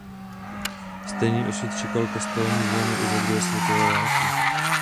Stejný osud čekal kostelní zvony i za druhé světové války.